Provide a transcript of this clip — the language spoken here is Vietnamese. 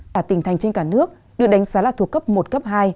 cả tỉnh thành trên cả nước được đánh giá là thuộc cấp một cấp hai